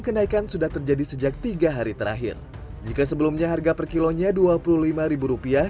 kenaikan sudah terjadi sejak tiga hari terakhir jika sebelumnya harga per kilonya dua puluh lima rupiah